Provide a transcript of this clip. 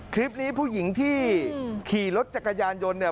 คลิปนี้ผู้หญิงที่ขี่รถจักรยานยนต์เนี่ย